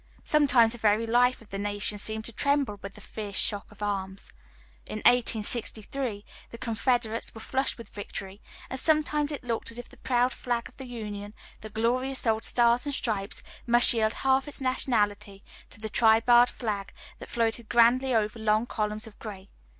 Sometimes the very life of the nation seemed to tremble with the fierce shock of arms. In 1863 the Confederates were flushed with victory, and sometimes it looked as if the proud flag of the Union, the glorious old Stars and Stripes, must yield half its nationality to the tri barred flag that floated grandly over long columns of gray.